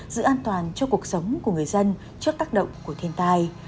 giữ an toàn cho cuộc sống của người dân trước tác động của thiên tai